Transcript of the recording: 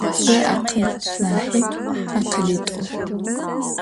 Zı akhıl nahi akhılit'u.